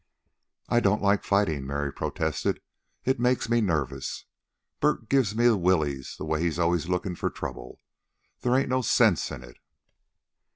"I don't like fightin'," Mary protested. "It makes me nervous. Bert gives me the willies the way he's always lookin' for trouble. There ain't no sense in it."